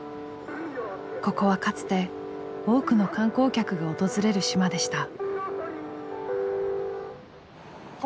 ここはかつて多くの観光客が訪れる島でした。